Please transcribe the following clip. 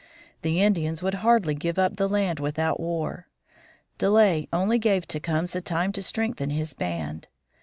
The Indians would hardly give up the land without war. Delay only gave Tecumseh time to strengthen his band.